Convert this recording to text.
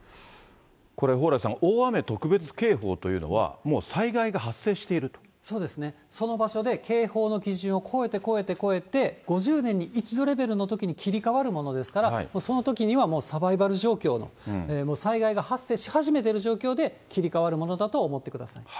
これ、蓬莱さん、大雨特別警報というのは、そうですね、その場所で警報の基準を超えて超えて超えて、５０年に一度レベルのときに切り替わるものですから、そのときにはもう、サバイバル状況の、災害が発生し始めてる状況で切り替わるものだと思ってください。